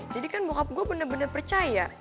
jadi kan bokap gue bener bener percaya